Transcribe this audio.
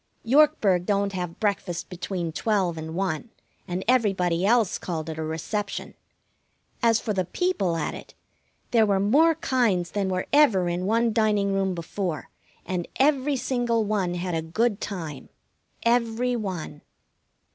Yorkburg don't have breakfast between twelve and one, and everybody else called it a reception. As for the people at it, there were more kinds than were ever in one dining room before; and every single one had a good time. Every one.